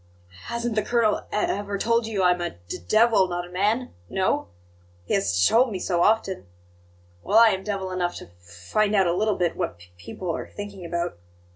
"H hasn't the colonel e e ever told you I am a d d devil not a man? No? He has t told me so often enough! Well, I am devil enough to f find out a little bit what p people are thinking about.